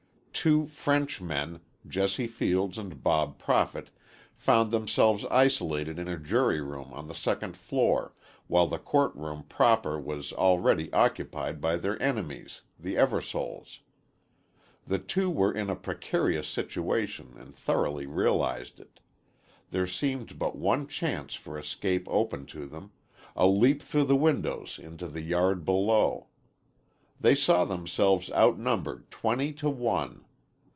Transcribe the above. Two French men, Jesse Fields and Bob Profitt, found themselves isolated in a jury room on the second floor, while the court room proper was already occupied by their enemies, the Eversoles. The two were in a precarious situation and thoroughly realized it. There seemed but one chance for escape open to them a leap through the windows into the yard below. They saw themselves outnumbered twenty to one.